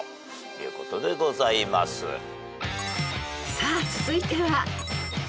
［さあ続いては］